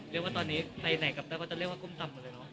เรียกว่าตอนนี้ไปไหนกลับไปก็จะเรียกว่ากล้มต่ำเลยเลยขอ